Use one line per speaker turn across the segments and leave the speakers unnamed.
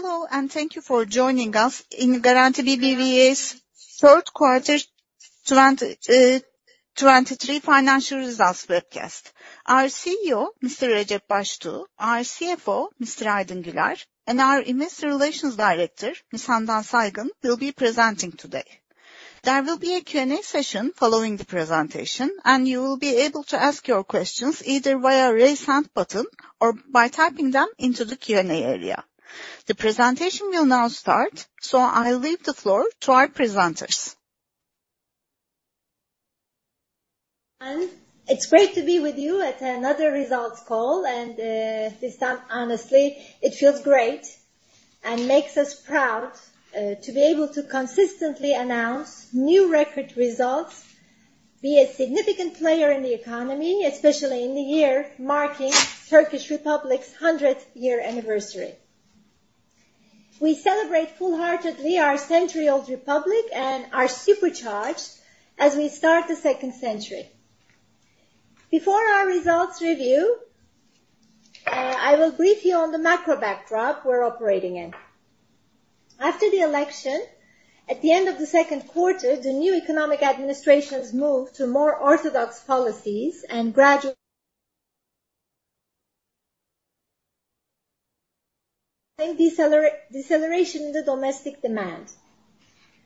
Hello, and thank you for joining us in Garanti BBVA's third quarter 2023 financial results webcast. Our CEO, Mr. Recep Baştuğ, our CFO, Mr. Aydın Güler, and our Investor Relations Director, Ms. Handan Saygın, will be presenting today. There will be a Q&A session following the presentation, and you will be able to ask your questions either via Raise Hand button or by typing them into the Q&A area. The presentation will now start, so I leave the floor to our presenters.
It's great to be with you at another results call, and, this time, honestly, it feels great and makes us proud, to be able to consistently announce new record results, be a significant player in the economy, especially in the year marking Turkish Republic's hundredth year anniversary. We celebrate full-heartedly our century-old republic and are supercharged as we start the second century. Before our results review, I will brief you on the macro backdrop we're operating in. After the election, at the end of the second quarter, the new economic administration's move to more orthodox policies and gradual deceleration in the domestic demand.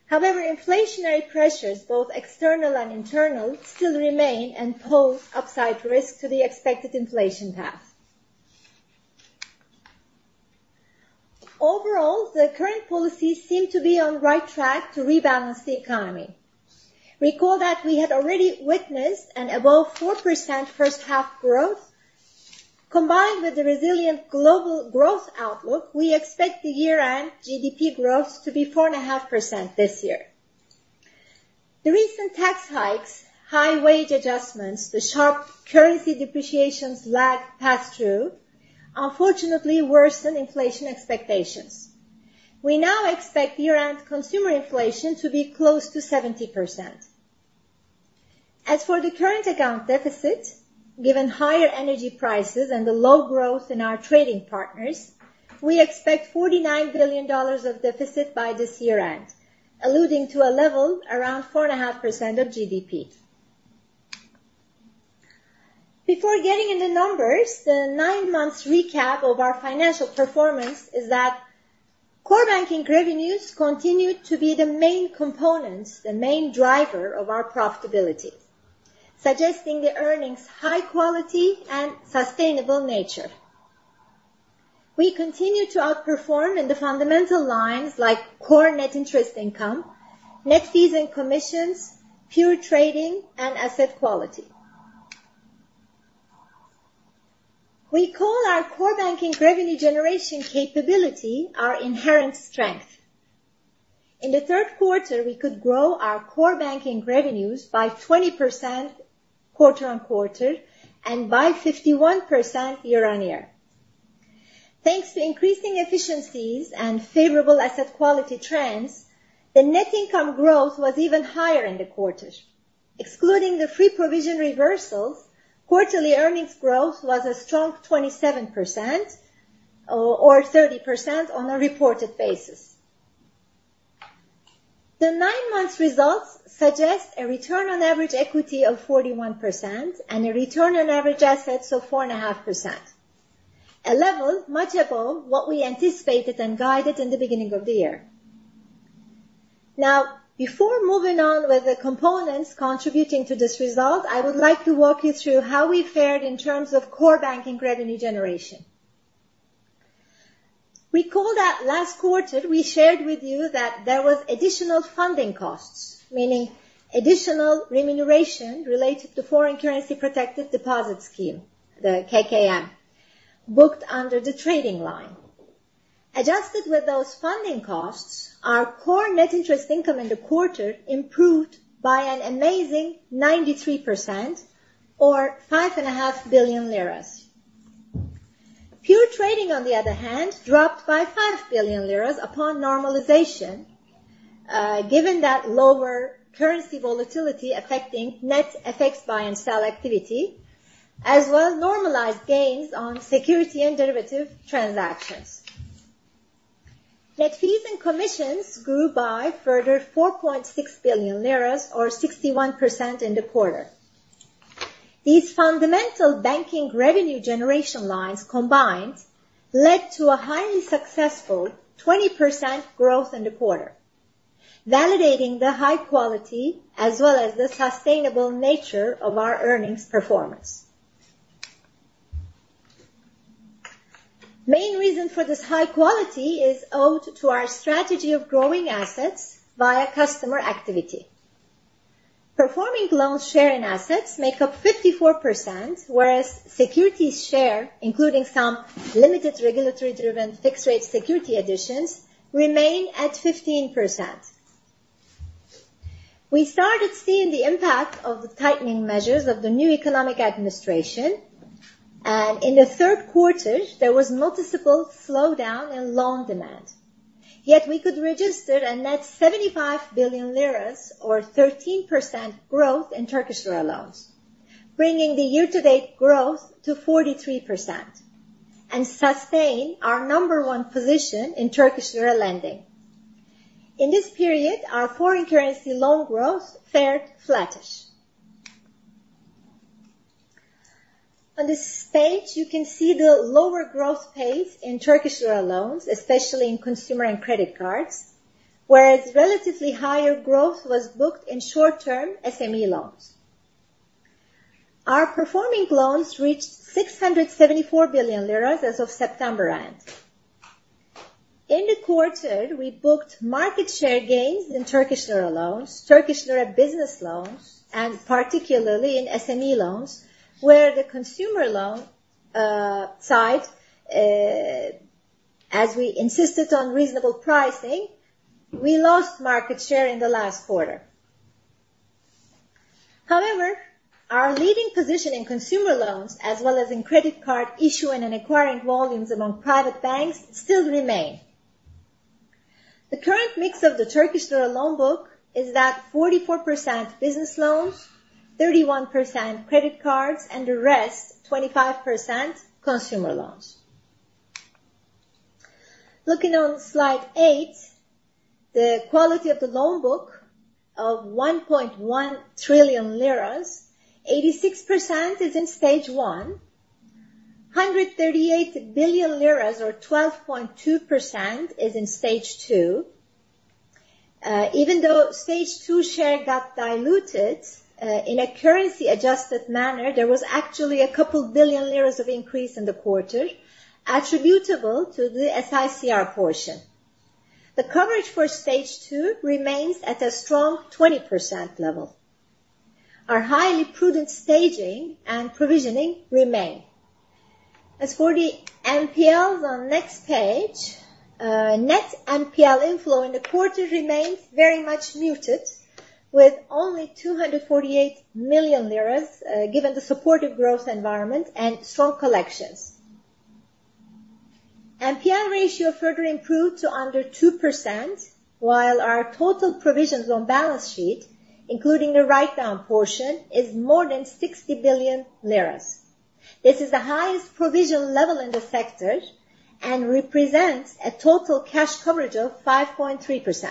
However, inflationary pressures, both external and internal, still remain and pose upside risk to the expected inflation path. Overall, the current policies seem to be on the right track to rebalance the economy. Recall that we had already witnessed an above 4% first half growth. Combined with the resilient global growth outlook, we expect the year-end GDP growth to be 4.5% this year. The recent tax hikes, high wage adjustments, the sharp currency depreciation's lag pass-through, unfortunately, worsen inflation expectations. We now expect year-end consumer inflation to be close to 70%. As for the current account deficit, given higher energy prices and the low growth in our trading partners, we expect $49 billion of deficit by this year-end, alluding to a level around 4.5% of GDP. Before getting in the numbers, the nine months recap of our financial performance is that core banking revenues continued to be the main components, the main driver of our profitability, suggesting the earnings high quality and sustainable nature. We continue to outperform in the fundamental lines like core net interest income, net fees and commissions, pure trading, and asset quality. We call our core banking revenue generation capability our inherent strength. In the third quarter, we could grow our core banking revenues by 20% quarter-on-quarter and by 51% year-on-year. Thanks to increasing efficiencies and favorable asset quality trends, the net income growth was even higher in the quarter. Excluding the free provision reversals, quarterly earnings growth was a strong 27%, or 30% on a reported basis. The nine months results suggest a return on average equity of 41% and a return on average assets of 4.5%. A level much above what we anticipated and guided in the beginning of the year. Now, before moving on with the components contributing to this result, I would like to walk you through how we fared in terms of core banking revenue generation. Recall that last quarter, we shared with you that there was additional funding costs, meaning additional remuneration related to foreign currency protective deposit scheme, the KKM, booked under the trading line. Adjusted with those funding costs, our core net interest income in the quarter improved by an amazing 93% or 5.5 billion lira. Pure trading, on the other hand, dropped by 5 billion lira upon normalization, given that lower currency volatility affecting net FX buy and sell activity, as well as normalized gains on security and derivative transactions. Net fees and commissions grew by further 4.6 billion lira or 61% in the quarter. These fundamental banking revenue generation lines combined led to a highly successful 20% growth in the quarter, validating the high quality as well as the sustainable nature of our earnings performance. Main reason for this high quality is owed to our strategy of growing assets via customer activity. Performing loan share in assets make up 54%, whereas securities share, including some limited regulatory-driven fixed rate security additions, remain at 15%. We started seeing the impact of the tightening measures of the new economic administration, and in the third quarter, there was noticeable slowdown in loan demand. Yet we could register a net 75 billion lira or 13% growth in Turkish lira loans, bringing the year-to-date growth to 43% and sustain our number one position in Turkish lira lending. In this period, our foreign currency loan growth fared flattish. On this page, you can see the lower growth pace in Turkish lira loans, especially in consumer and credit cards, whereas relatively higher growth was booked in short-term SME loans. Our performing loans reached 674 billion lira as of September end. In the quarter, we booked market share gains in Turkish lira loans, Turkish lira business loans, and particularly in SME loans, where the consumer loan side, as we insisted on reasonable pricing, we lost market share in the last quarter. However, our leading position in consumer loans, as well as in credit card issuing and acquiring volumes among private banks, still remain. The current mix of the Turkish lira loan book is that 44% business loans, 31% credit cards, and the rest, 25%, consumer loans. Looking on slide eight, the quality of the loan book of 1.1 trillion lira, 86% is in stage one, 138 billion lira or 12.2% is in Stage 2. Even though Stage 2 share got diluted, in a currency-adjusted manner, there was actually a couple billion liras of increase in the quarter, attributable to the SICR portion. The coverage for Stage 2 remains at a strong 20% level. Our highly prudent staging and provisioning remain. As for the NPLs on next page, net NPL inflow in the quarter remains very much muted, with only 248 million lira, given the supportive growth environment and strong collections. NPL ratio further improved to under 2%, while our total provisions on balance sheet, including the write-down portion, is more than 60 billion lira. This is the highest provision level in the sector and represents a total cash coverage of 5.3%.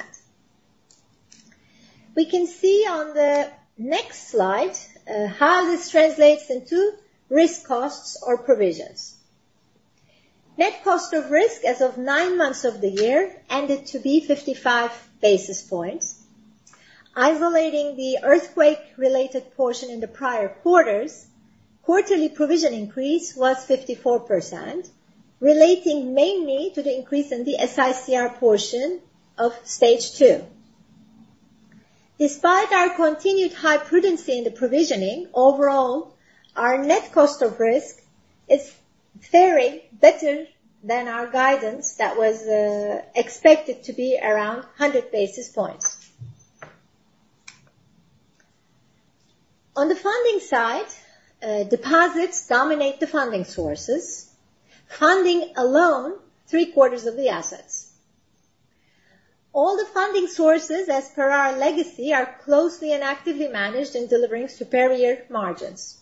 We can see on the next slide, how this translates into risk costs or provisions. Net cost of risk as of nine months of the year ended to be 55 basis points. Isolating the earthquake-related portion in the prior quarters, quarterly provision increase was 54%, relating mainly to the increase in the SICR portion of Stage 2. Despite our continued high prudency in the provisioning, overall, our net cost of risk is faring better than our guidance that was, expected to be around 100 basis points. On the funding side, deposits dominate the funding sources, funding alone three-quarters of the assets. All the funding sources, as per our legacy, are closely and actively managed in delivering superior margins.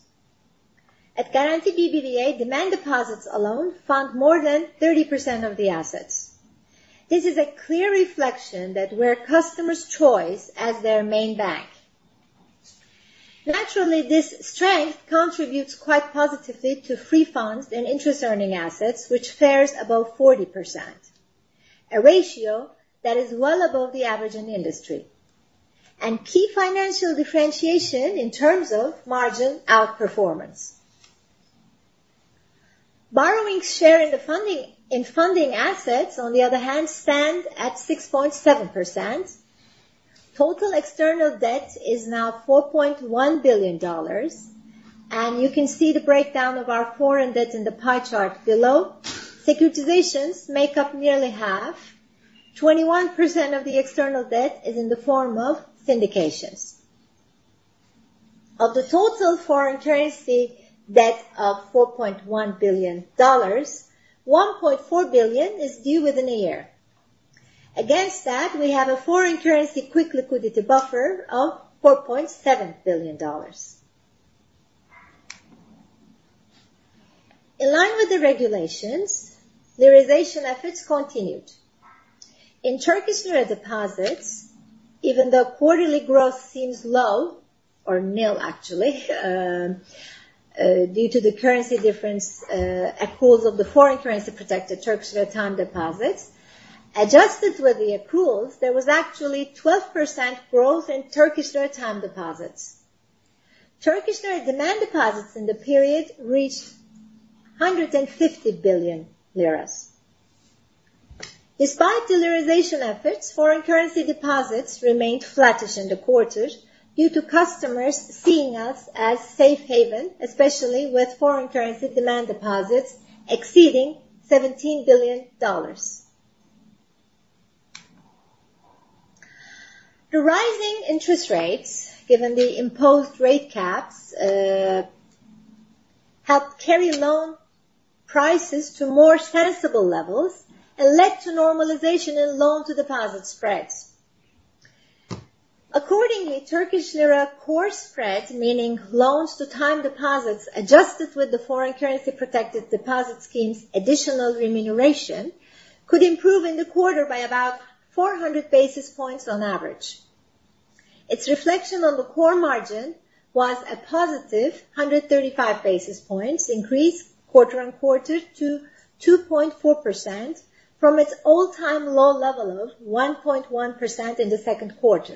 At Garanti BBVA, demand deposits alone fund more than 30% of the assets. This is a clear reflection that we're customers' choice as their main bank. Naturally, this strength contributes quite positively to free funds and interest-earning assets, which fares above 40%, a ratio that is well above the average in the industry, and key financial differentiation in terms of margin outperformance. Borrowing share in the funding, in funding assets, on the other hand, stand at 6.7%. Total external debt is now $4.1 billion, and you can see the breakdown of our foreign debt in the pie chart below. Securitizations make up nearly half. 21% of the external debt is in the form of syndications. Of the total foreign currency debt of $4.1 billion, $1.4 billion is due within a year. Against that, we have a foreign currency quick liquidity buffer of $4.7 billion. In line with the regulations, lirization efforts continued. In Turkish lira deposits, even though quarterly growth seems low or nil, actually, due to the currency difference, accruals of the foreign currency-protected Turkish lira time deposits, adjusted with the accruals, there was actually 12% growth in Turkish lira time deposits. Turkish lira demand deposits in the period reached TRY 150 billion. Despite de-lirization efforts, foreign currency deposits remained flattish in the quarter due to customers seeing us as safe haven, especially with foreign currency demand deposits exceeding $17 billion. The rising interest rates, given the imposed rate caps, helped carry loan prices to more sensible levels and led to normalization in loan-to-deposit spreads. Accordingly, Turkish lira core spread, meaning loans to time deposits adjusted with the foreign currency protected deposit scheme's additional remuneration, could improve in the quarter by about 400 basis points on average. Its reflection on the core margin was a +135 basis points increase quarter-on-quarter to 2.4% from its all-time low level of 1.1% in the second quarter.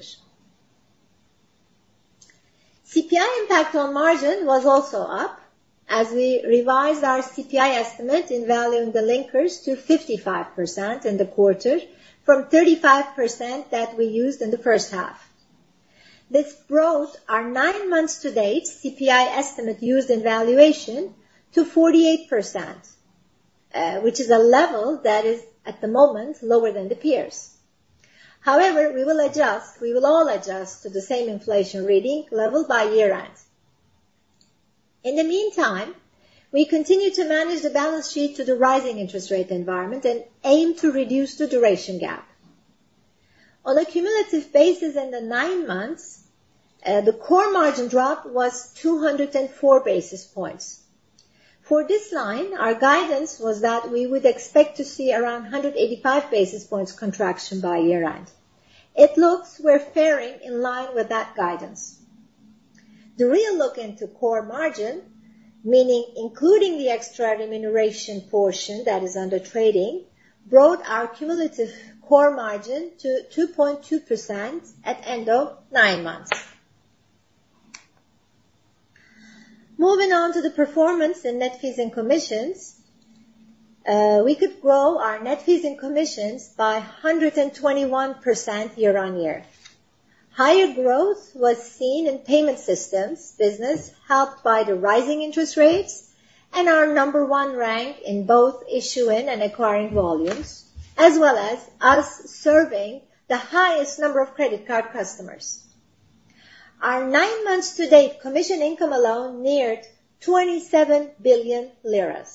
CPI impact on margin was also up as we revised our CPI estimate in valuing the linkers to 55% in the quarter from 35% that we used in the first half. This growth, our nine months to date CPI estimate used in valuation to 48%, which is a level that is, at the moment, lower than the peers. However, we will adjust, we will all adjust to the same inflation reading level by year-end. In the meantime, we continue to manage the balance sheet to the rising interest rate environment and aim to reduce the duration gap. On a cumulative basis in the nine months, the core margin drop was 204 basis points. For this line, our guidance was that we would expect to see around 185 basis points contraction by year-end. It looks we're faring in line with that guidance. The real look into core margin, meaning including the extra remuneration portion that is under trading, brought our cumulative core margin to 2.2% at end of nine months. Moving on to the performance in net fees and commissions, we could grow our net fees and commissions by 121% year-on-year. Higher growth was seen in payment systems business, helped by the rising interest rates and our number one rank in both issuing and acquiring volumes, as well as us serving the highest number of credit card customers. Our nine months to date commission income alone neared 27 billion lira.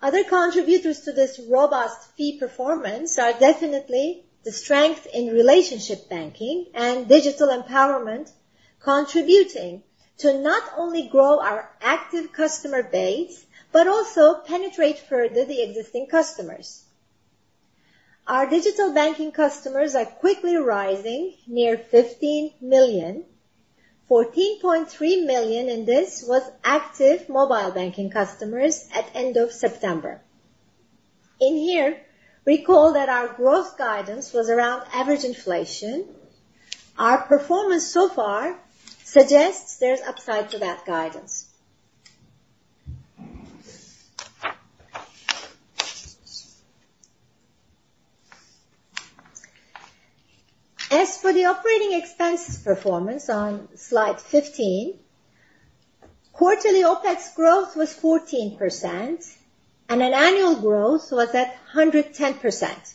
Other contributors to this robust fee performance are definitely the strength in relationship banking and digital empowerment, contributing to not only grow our active customer base, but also penetrate further the existing customers. Our digital banking customers are quickly rising near 15 million. 14.3 million, and this was active mobile banking customers at end of September. In here, recall that our growth guidance was around average inflation. Our performance so far suggests there's upside to that guidance. As for the operating expense performance on slide 15, quarterly OpEx growth was 14%, and an annual growth was at 110%.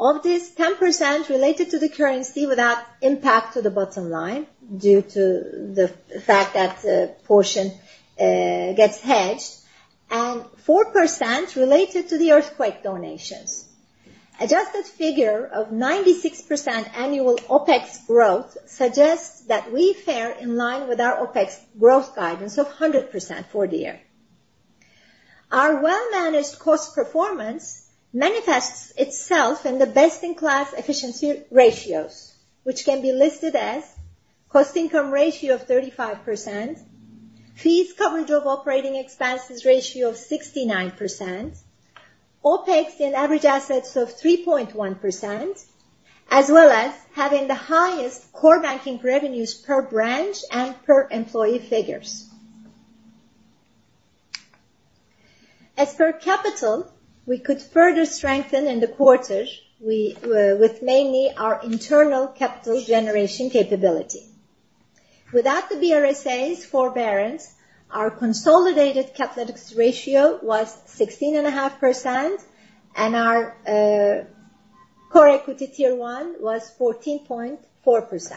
Of this, 10% related to the currency without impact to the bottom line, due to the fact that portion gets hedged, and 4% related to the earthquake donations. Adjusted figure of 96% annual OpEx growth suggests that we fare in line with our OpEx growth guidance of 100% for the year. Our well-managed cost performance manifests itself in the best-in-class efficiency ratios, which can be listed as cost income ratio of 35%, fees coverage of operating expenses ratio of 69%, OpEx and average assets of 3.1%, as well as having the highest core banking revenues per branch and per employee figures. As per capital, we could further strengthen in the quarter, we, with mainly our internal capital generation capability. Without the BRSA's forbearance, our consolidated capital ratio was 16.5%, and our core equity Tier 1 was 14.4%.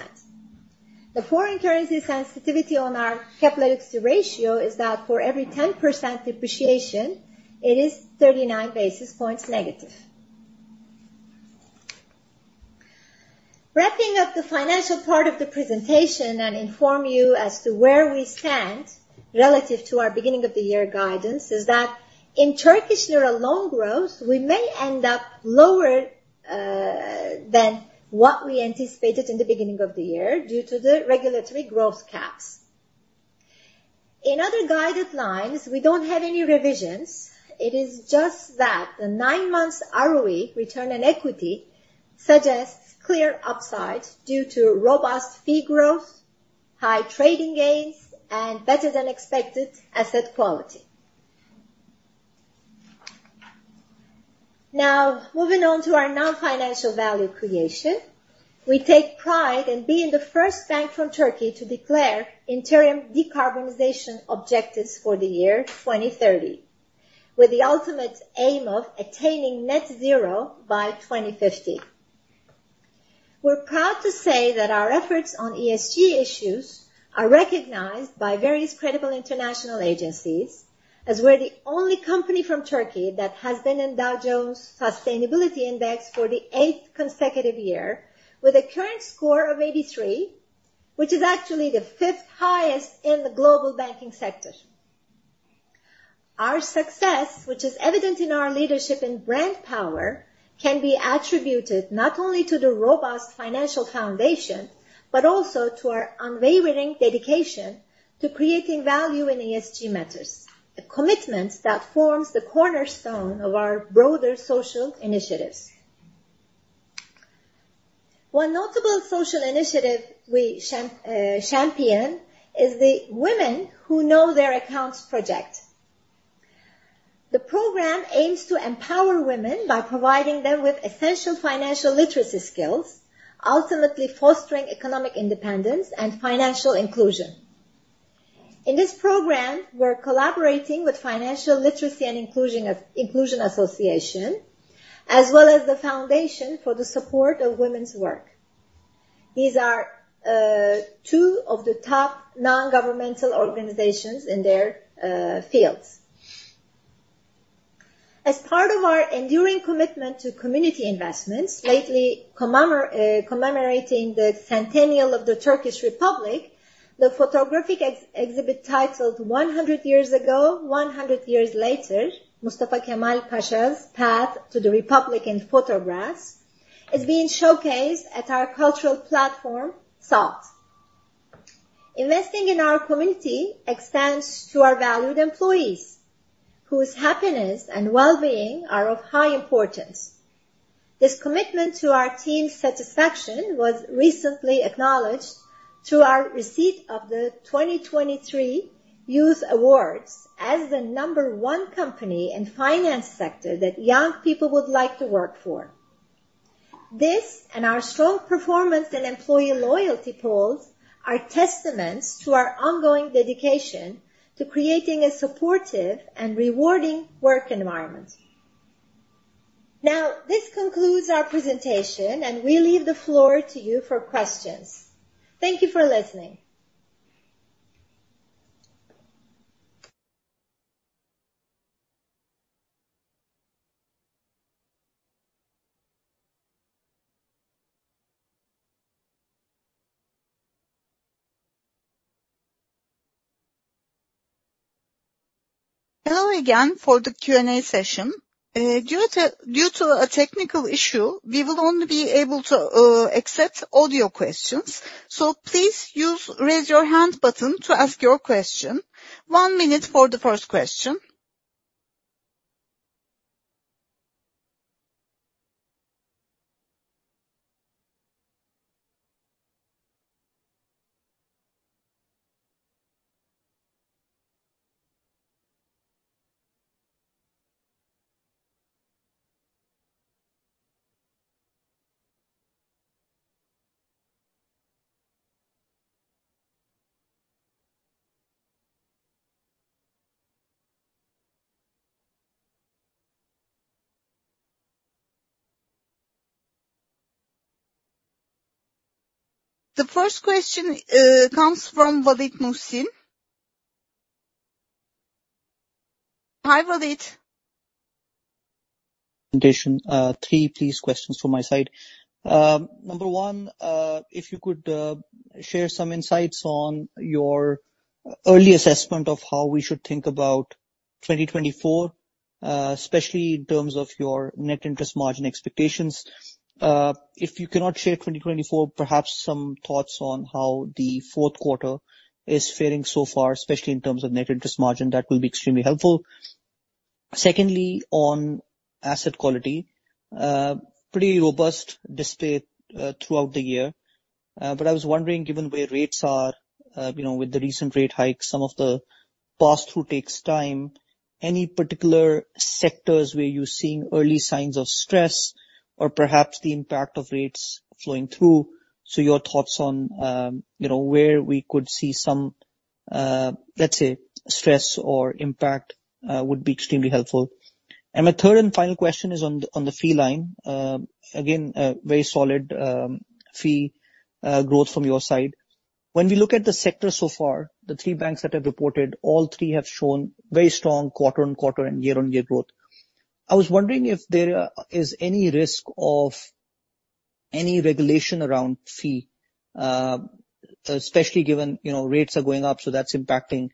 The foreign currency sensitivity on our capital ratio is that for every 10% depreciation, it is 39 basis points negative. Wrapping up the financial part of the presentation and inform you as to where we stand relative to our beginning of the year guidance, is that in Turkish lira loan growth, we may end up lower than what we anticipated in the beginning of the year due to the regulatory growth caps. In other guided lines, we don't have any revisions. It is just that the nine months ROE, return on equity, suggests clear upside due to robust fee growth, high trading gains, and better than expected asset quality. Now, moving on to our non-financial value creation. We take pride in being the first bank from Turkey to declare interim decarbonization objectives for the year 2030, with the ultimate aim of attaining net zero by 2050. We're proud to say that our efforts on ESG issues are recognized by various critical international agencies, as we're the only company from Turkey that has been in Dow Jones Sustainability Index for the eighth consecutive year, with a current score of 83, which is actually the fifth highest in the global banking sector. Our success, which is evident in our leadership and brand power, can be attributed not only to the robust financial foundation, but also to our unwavering dedication to creating value in ESG matters, a commitment that forms the cornerstone of our broader social initiatives. One notable social initiative we champion is the Women Who Know Their Accounts project. The program aims to empower women by providing them with essential financial literacy skills, ultimately fostering economic independence and financial inclusion. In this program, we're collaborating with Financial Literacy and Inclusion Association, as well as the Foundation for the Support of Women's Work. These are two of the top nongovernmental organizations in their fields. As part of our enduring commitment to community investments, lately commemorating the centennial of the Turkish Republic, the photographic exhibit, titled "One Hundred Years Ago, One Hundred Years Later: Mustafa Kemal Pasha's Path to the Republic in Photographs," is being showcased at our cultural platform, Salt. Investing in our community extends to our valued employees, whose happiness and well-being are of high importance. This commitment to our team's satisfaction was recently acknowledged through our receipt of the 2023 Youth Awards as the number one company in finance sector that young people would like to work for. This, and our strong performance in employee loyalty polls, are testaments to our ongoing dedication to creating a supportive and rewarding work environment. Now, this concludes our presentation, and we leave the floor to you for questions. Thank you for listening.
Hello again for the Q&A session. Due to a technical issue, we will only be able to accept audio questions. So please use Raise Your Hand button to ask your question. One minute for the first question. The first question comes from Waleed Mohsin. Hi, Waleed.
Three please, questions from my side. Number one, if you could share some insights on your early assessment of how we should think about 2024, especially in terms of your net interest margin expectations. If you cannot share 2024, perhaps some thoughts on how the fourth quarter is faring so far, especially in terms of net interest margin, that will be extremely helpful. Secondly, on asset quality, pretty robust display throughout the year. But I was wondering, given where rates are, you know, with the recent rate hikes, some of the pass-through takes time. Any particular sectors where you're seeing early signs of stress or perhaps the impact of rates flowing through? So your thoughts on, you know, where we could see some, let's say, stress or impact, would be extremely helpful. And my third and final question is on the fee line. Again, a very solid fee growth from your side. When we look at the sector so far, the three banks that have reported, all three have shown very strong quarter-on-quarter and year-on-year growth. I was wondering if there is any risk of any regulation around fee, especially given, you know, rates are going up, so that's impacting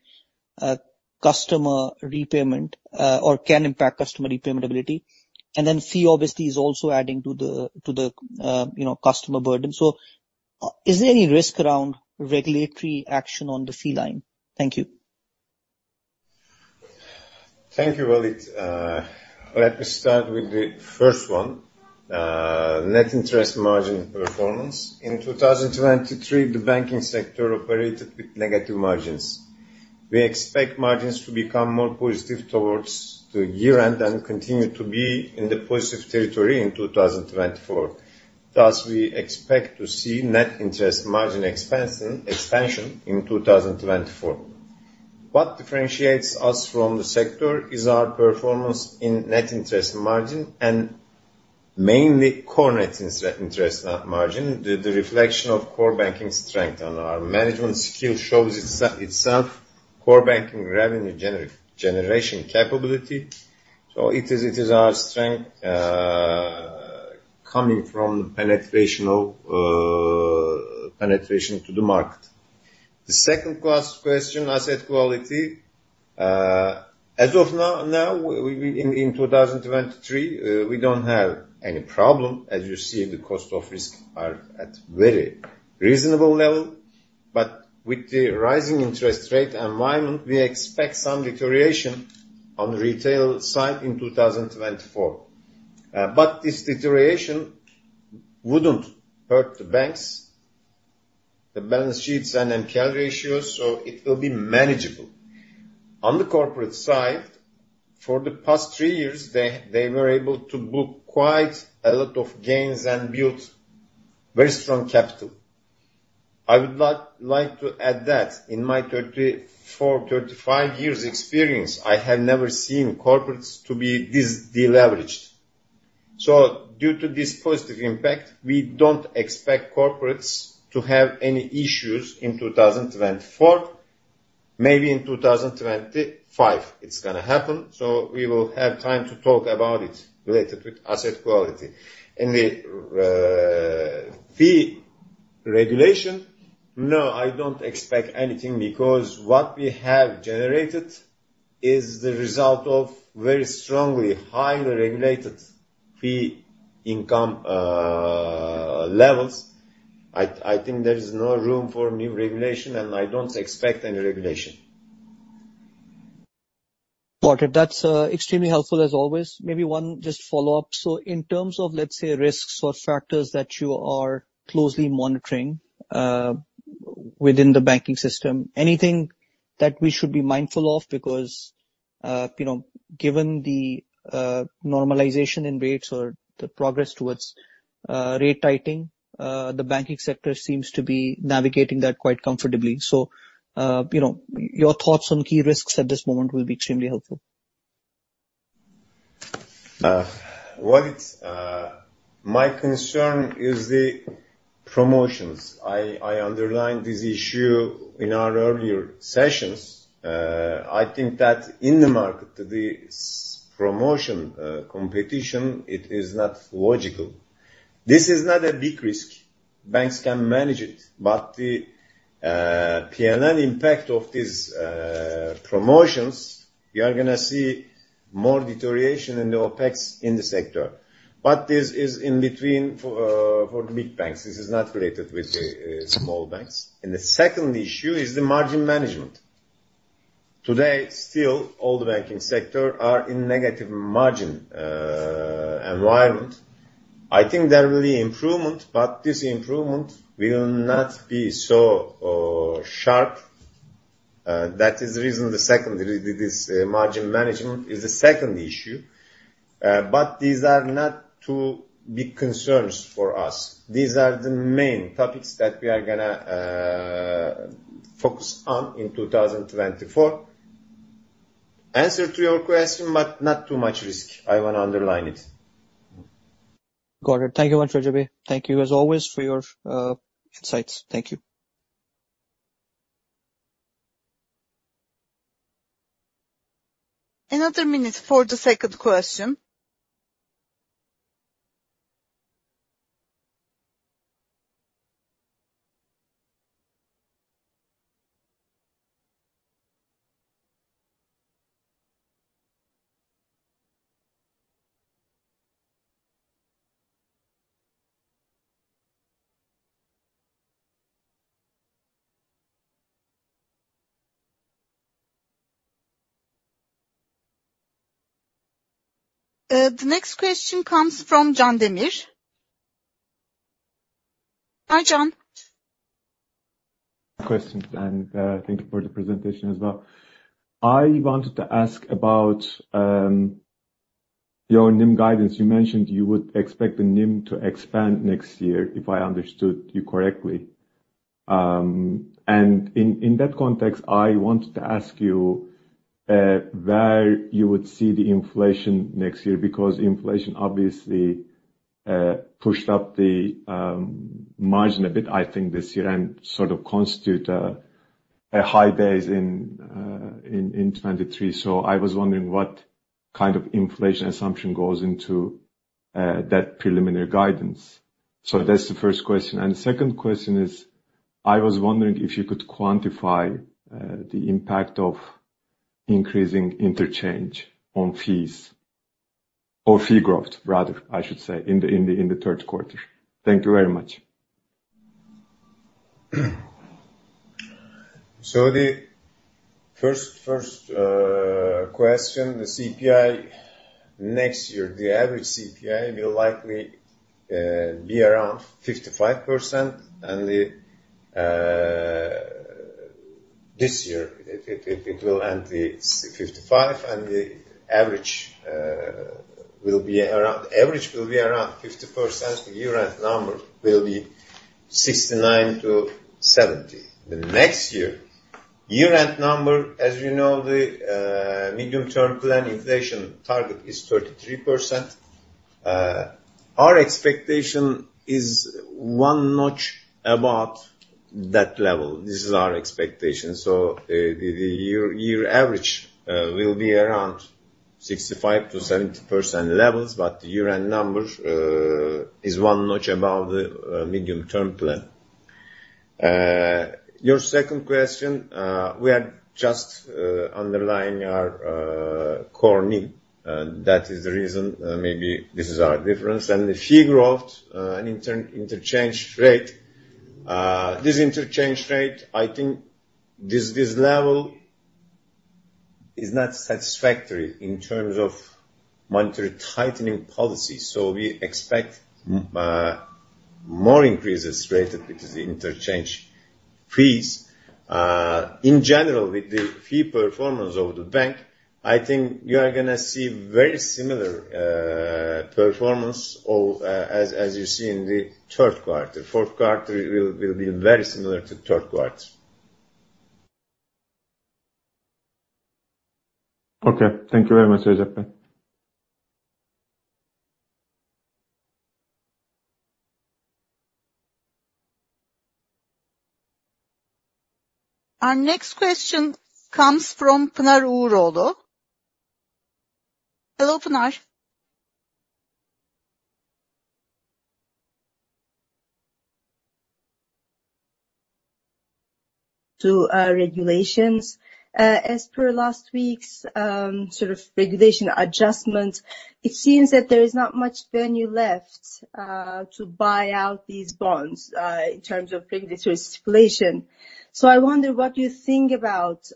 customer repayment or can impact customer repayment ability. And then fee, obviously, is also adding to the customer burden. So, is there any risk around regulatory action on the fee line? Thank you.
Thank you, Waleed. Let me start with the first one. Net interest margin performance. In 2023, the banking sector operated with negative margins. We expect margins to become more positive towards the year end and continue to be in the positive territory in 2024. Thus, we expect to see net interest margin expansion in 2024. What differentiates us from the sector is our performance in net interest margin and mainly core net interest margin, the reflection of core banking strength and our management skill shows itself. Core banking revenue generation capability. So it is our strength coming from the penetrational penetration to the market. The second question, asset quality. As of now, in 2023, we don't have any problem. As you see, the cost of risk are at very reasonable level. But with the rising interest rate environment, we expect some deterioration on the retail side in 2024. But this deterioration wouldn't hurt the banks, the balance sheets and NPL ratios, so it will be manageable. On the corporate side, for the past three years, they were able to book quite a lot of gains and build very strong capital. I would like to add that in my 34-35 years experience, I have never seen corporates to be this deleveraged. So due to this positive impact, we don't expect corporates to have any issues in 2024. Maybe in 2025, it's gonna happen, so we will have time to talk about it, related with asset quality. In the fee regulation, no, I don't expect anything because what we have generated is the result of very strongly, highly regulated fee income levels. I think there is no room for new regulation, and I don't expect any regulation.
Got it. That's extremely helpful as always. Maybe one just follow-up. So in terms of, let's say, risks or factors that you are closely monitoring within the banking system, anything that we should be mindful of? Because you know, given the normalization in rates or the progress towards rate tightening, the banking sector seems to be navigating that quite comfortably. So you know, your thoughts on key risks at this moment will be extremely helpful.
What it's. My concern is the promotions. I underlined this issue in our earlier sessions. I think that in the market, this promotion, competition, it is not logical. This is not a big risk. Banks can manage it, but the P&L impact of this promotions, you are gonna see more deterioration in the OpEx in the sector. But this is in between for, for big banks, this is not related with the small banks. And the second issue is the margin management. Today, still, all the banking sector are in negative margin, environment. I think there will be improvement, but this improvement will not be so, sharp. That is the reason the second, this, this margin management is the second issue, but these are not two big concerns for us. These are the main topics that we are gonna focus on in 2024. Answer to your question, but not too much risk. I want to underline it.
Got it. Thank you much, Recep. Thank you, as always, for your insights. Thank you.
Another minute for the second question. The next question comes from Can Demir. Hi, Can Demir!
Questions, and, thank you for the presentation as well. I wanted to ask about your NIM guidance. You mentioned you would expect the NIM to expand next year, if I understood you correctly. And in that context, I wanted to ask you, where you would see the inflation next year, because inflation obviously pushed up the margin a bit, I think this year, and sort of constitute a high base in 2023. So I was wondering what kind of inflation assumption goes into that preliminary guidance? So that's the first question. And the second question is: I was wondering if you could quantify the impact of increasing interchange on fees, or fee growth, rather, I should say, in the third quarter. Thank you very much.
So the first question, the CPI next year, the average CPI will likely be around 55%, and this year, it will end at 55%, and the average will be around 50%. The year-end number will be 69%-70%. The next year year-end number, as you know, the medium-term plan inflation target is 33%. Our expectation is one notch above that level. This is our expectation. So the year average will be around 65%-70% levels, but the year-end number is one notch above the medium-term plan. Your second question, we are just underlying our core need, and that is the reason, maybe this is our difference. The fee growth and interchange rate, this interchange rate, I think this level is not satisfactory in terms of monetary tightening policy. So we expect more increases related with this interchange fees. In general, with the fee performance of the bank, I think you are going to see very similar performance as you see in the third quarter. Fourth quarter will be very similar to third quarter.
Okay. Thank you very much, Recep.
Our next question comes from Pınar Uğuroğlu. Hello, Pınar.
To regulations. As per last week's sort of regulation adjustment, it seems that there is not much venue left to buy out these bonds in terms of regulatory inflation. So I wonder, what do you think about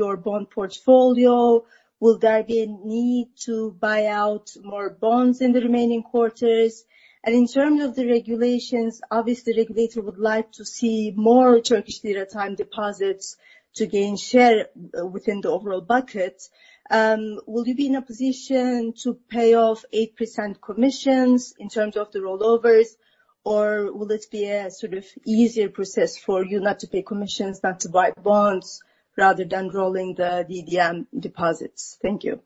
your bond portfolio? Will there be a need to buy out more bonds in the remaining quarters? And in terms of the regulations, obviously, the regulator would like to see more Turkish lira time deposits to gain share within the overall bucket. Will you be in a position to pay off 8% commissions in terms of the rollovers? Or will it be a sort of easier process for you not to pay commissions, not to buy bonds, rather than rolling the DDM deposits? Thank you.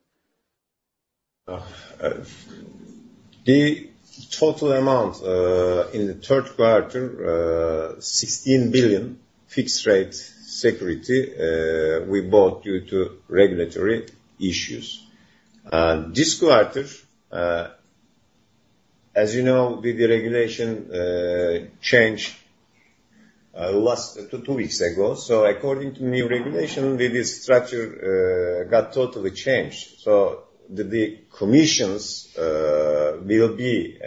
The total amount in the third quarter, 16 billion fixed rate security we bought due to regulatory issues. And this quarter, as you know, with the regulation change last two weeks ago. So according to new regulation, with this structure got totally changed. So the commissions will be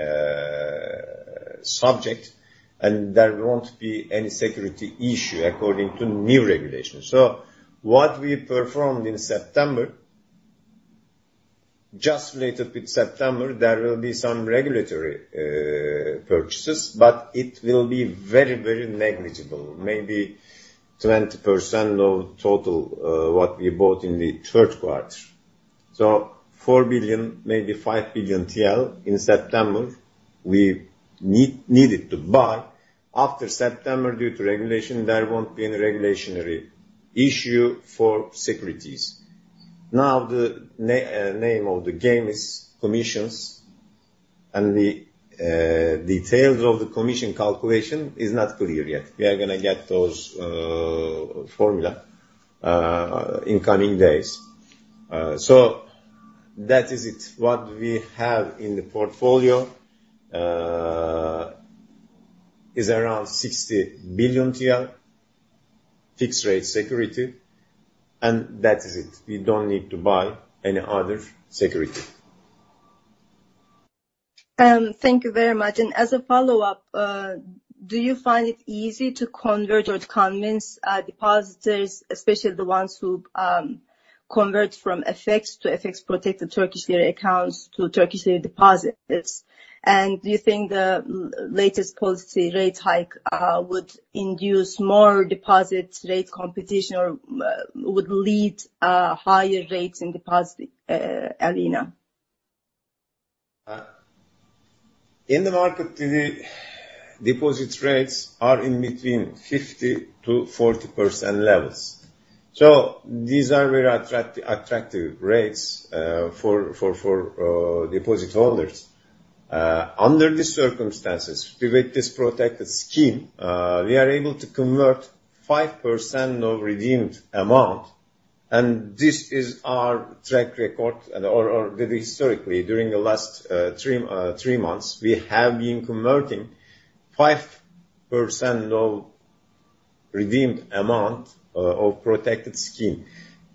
subject, and there won't be any security issue according to new regulations. So what we performed in September, just related with September, there will be some regulatory purchases, but it will be very, very negligible. Maybe 20% of total what we bought in the third quarter. So 4 billion, maybe 5 billion TL in September, we needed to buy. After September, due to regulation, there won't be any regulatory issue for securities. Now, the name of the game is commissions, and the details of the commission calculation is not clear yet. We are going to get those formula in coming days. So that is it. What we have in the portfolio is around 60 billion TL fixed rate security, and that is it. We don't need to buy any other security.
Thank you very much. And as a follow-up, do you find it easy to convert or to convince, depositors, especially the ones who convert from FX to FX-protected Turkish lira accounts to Turkish lira deposits? And do you think the latest policy rate hike would induce more deposit rate competition or would lead higher rates in deposit arena?
In the market, the deposit rates are in between 50%-40% levels. So these are very attractive rates for deposit holders. Under the circumstances, with this protected scheme, we are able to convert 5% of redeemed amount, and this is our track record with historically, during the last three months, we have been converting 5% of redeemed amount of protected scheme.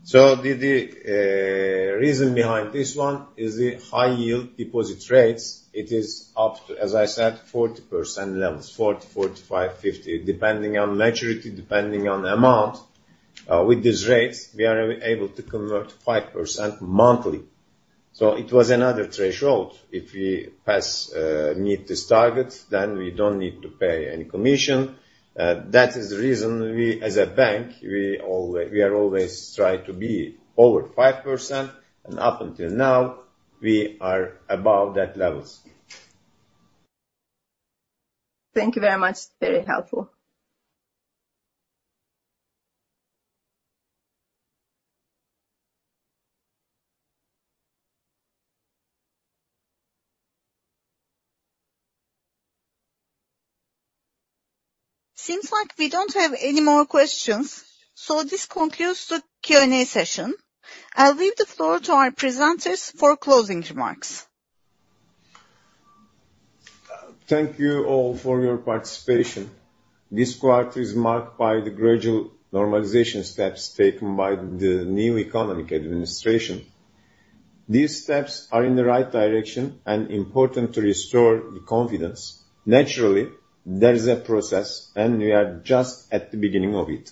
So the reason behind this one is the high-yield deposit rates. It is up to, as I said, 40% levels, 40%, 45%, 50%, depending on maturity, depending on amount. With these rates, we are able to convert 5% monthly. So it was another threshold. If we pass, meet this target, then we don't need to pay any commission. That is the reason we, as a bank, we always, we are always trying to be over 5%, and up until now, we are above that levels.
Thank you very much. Very helpful.
Seems like we don't have any more questions, so this concludes the Q&A session. I'll leave the floor to our presenters for closing remarks.
Thank you all for your participation. This quarter is marked by the gradual normalization steps taken by the new economic administration. These steps are in the right direction and important to restore the confidence. Naturally, there is a process, and we are just at the beginning of it.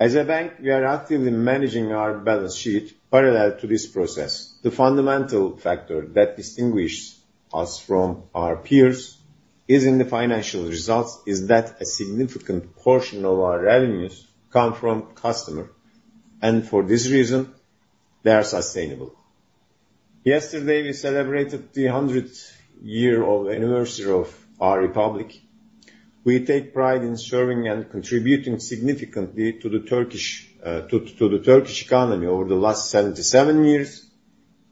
As a bank, we are actively managing our balance sheet parallel to this process. The fundamental factor that distinguishes us from our peers is in the financial results, is that a significant portion of our revenues come from customer, and for this reason, they are sustainable. Yesterday, we celebrated the 100th year of anniversary of our republic. We take pride in serving and contributing significantly to the Turkish economy over the last 77 years.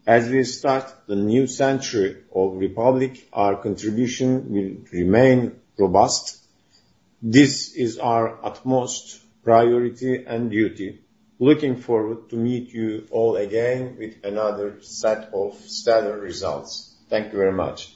As we start the new century of republic, our contribution will remain robust. This is our utmost priority and duty. Looking forward to meet you all again with another set of stellar results. Thank you very much.